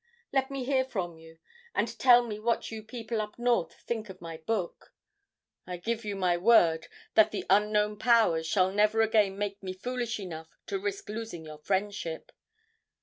Let me hear from you, and tell me what you people up North think of my book. I give you my word that the 'Unknown Powers' shall never again make me foolish enough to risk losing your friendship!